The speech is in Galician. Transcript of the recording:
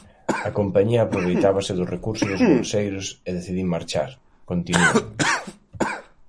A compañía aproveitábase do recurso dos bolseiros e decidín marchar, continúa.